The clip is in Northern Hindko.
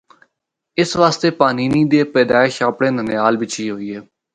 اس واسطے پانینی دے پیدائش اپنڑے ننھیال بچ ہی ہوئی۔